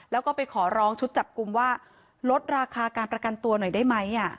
แล้วก็ไปขอร้องชุดจับกลุ่มว่าลดราคาการประกันตัวหน่อยได้ไหม